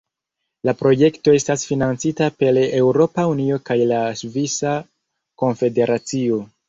La projekto estas financita per Eŭropa Unio kaj la Svisa Konfederacio.